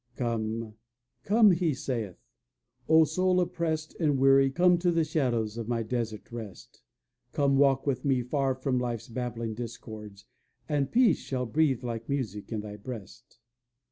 "Come, come," He saith, "O soul oppressed and weary, Come to the shadows of my desert rest, Come walk with me far from life's babbling discords, And peace shall breathe like music in thy breast.